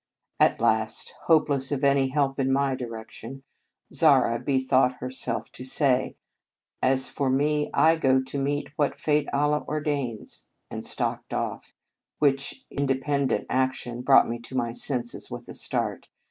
At last, hopeless of any help in my direction, Zara bethought herself to say: "As for me, I go to meet what fate Allah ordains :" and stalked off, which independent ac tion brought me to my senses with a start.